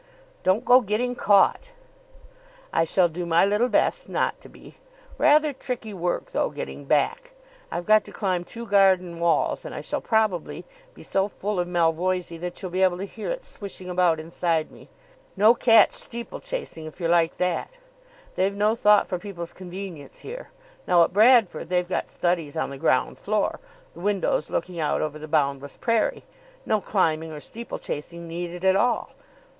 "Don't go getting caught." "I shall do my little best not to be. Rather tricky work, though, getting back. I've got to climb two garden walls, and I shall probably be so full of Malvoisie that you'll be able to hear it swishing about inside me. No catch steeple chasing if you're like that. They've no thought for people's convenience here. Now at Bradford they've got studies on the ground floor, the windows looking out over the boundless prairie. No climbing or steeple chasing needed at all.